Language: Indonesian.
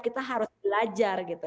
kita harus belajar gitu